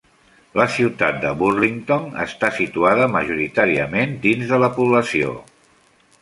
La Ciutat de Burlington està situada majoritàriament dins de la població.